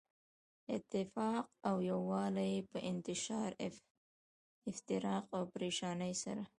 اتفاق او يو والی ئي په انتشار، افتراق او پريشانۍ سره